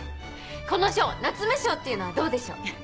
この賞「夏目賞」っていうのはどうでしょう？